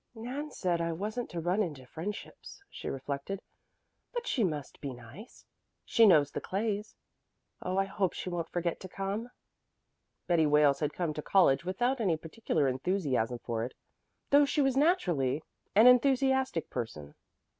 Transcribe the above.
"Nan said I wasn't to run into friendships," she reflected. "But she must be nice. She knows the Clays. Oh, I hope she won't forget to come!" Betty Wales had come to college without any particular enthusiasm for it, though she was naturally an enthusiastic person.